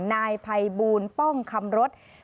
นายพัยบูณภิมาชนะภัทรต้นนางพลรฟ